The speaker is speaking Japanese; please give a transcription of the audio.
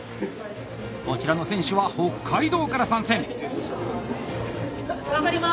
こちらの選手は北海道から参戦！